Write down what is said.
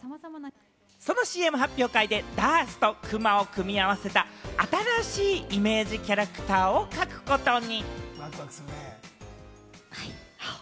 そのＣＭ発表会でＤＡＲＳとくまを組み合わせた新しいイメージキャラクターを描くことに。